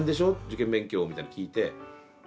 受験勉強」みたいの聞いて。